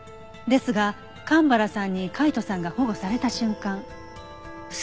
ですが蒲原さんに海斗さんが保護された瞬間。